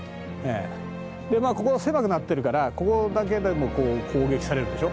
でまあここが狭くなってるからここだけでも攻撃されるでしょ？